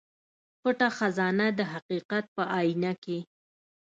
پټه خزانه د حقيقت په اينه کې